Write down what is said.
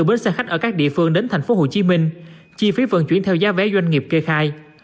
bến xe khách ở các địa phương đến tp hcm chi phí vận chuyển theo giá vé doanh nghiệp kê khai